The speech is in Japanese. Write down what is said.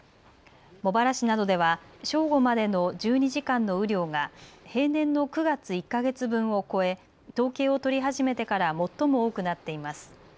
茂原市などでは正午までの１２時間の雨量が平年の９月１か月分を超え統計を取り始めてから最も多くなっています。